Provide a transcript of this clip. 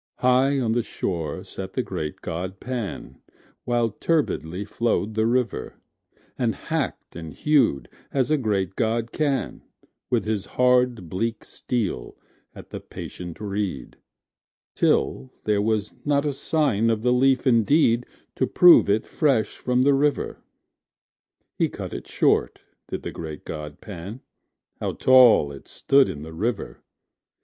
High on the shore sat the great god Pan, While turbidly flow'd the river:And hack'd and hew'd as a great god can, With his hard bleak steel at the patient reed, Till there was not a sign of a leaf indeedTo prove it fresh from the river. He cut it short, did the great god Pan,(How tall it stood in the river!)